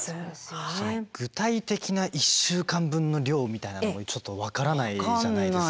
具体的な１週間分の量みたいなのもちょっと分からないじゃないですか。